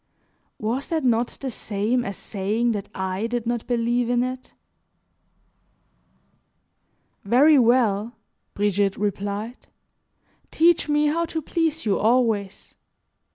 Was that not the same as saying that I did not believe in it? "Very well," Brigitte replied, "teach me how to please you always.